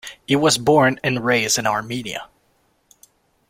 He was born and raised in Armenia.